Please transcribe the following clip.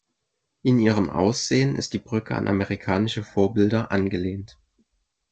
In ihrem Aussehen ist die Brücke an amerikanische Vorbilder angelehnt.